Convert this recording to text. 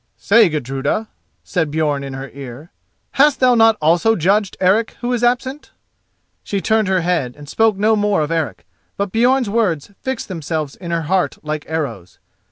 "Say, Gudruda," said Björn in her ear, "hast thou not also judged Eric who is absent?" She turned her head and spoke no more of Eric; but Björn's words fixed themselves in her heart like arrows.